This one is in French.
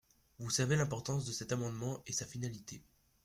Vous savez l’importance de cet amendement et sa finalité.